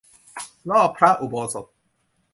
รอบพระอุโบสถ